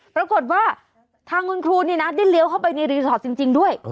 ปรากฏว่าทางคุณครูนี่นะได้เลี้ยวเข้าไปในรีสอร์ทจริงด้วย